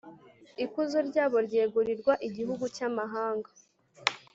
ikuzo ryabo ryegurirwa igihugu cy’amahanga.